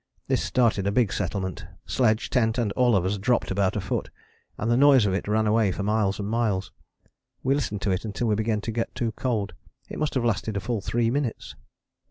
This started a big settlement; sledge, tent and all of us dropped about a foot, and the noise of it ran away for miles and miles: we listened to it until we began to get too cold. It must have lasted a full three minutes.